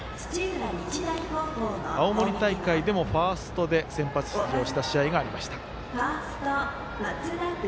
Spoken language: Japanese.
青森大会でもファーストで先発出場した試合がありました。